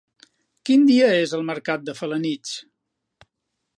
Quin dia és el mercat de Felanitx?